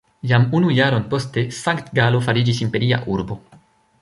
Jam unu jaron poste Sankt-Galo fariĝis imperia urbo.